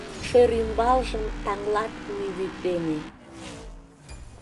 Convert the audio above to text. Шӧрӱмбалжым таҥлат мӱй вӱд дене.